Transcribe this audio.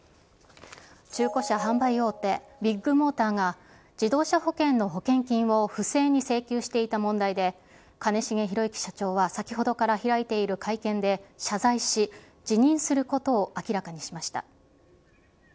中古車販売大手、ビッグモーターが、自動車保険の保険金を不正に請求していた問題で、兼重宏行社長は先ほどから開いている会見で、謝罪し、辞任することを明らかにしました。